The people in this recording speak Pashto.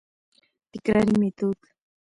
تکراري ميتود: